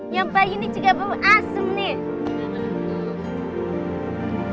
nyampe ini juga bau asem nih